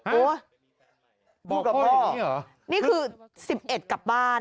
พูดกับพ่อนี่คือ๑๑กลับบ้าน